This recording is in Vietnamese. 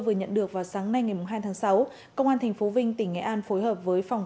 vừa nhận được vào sáng nay ngày hai tháng sáu công an tp vinh tỉnh nghệ an phối hợp với phòng